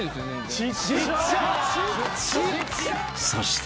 ［そして］